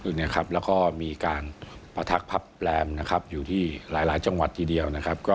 และก็มีการประทักภัพแปลมอยู่ที่หลายจังหวัดทีเดียว